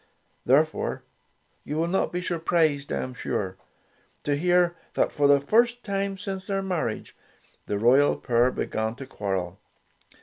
Therefore, you will not be surprised, I am sure, to hear that, for the first time since their marriage, the royal pair began to quarrel.